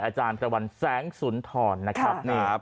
อาจารย์พระวันแสงสุนทรนะครับ